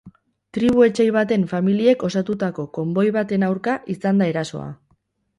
Tribu etsai baten familiek osatutako konboi baten aurka izan da erasoa.